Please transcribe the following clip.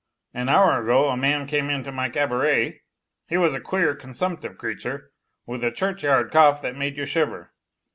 An hour ago a man came into my cabaret. He was a queer, consumptive creature, with a churchyard cough that made you shiver.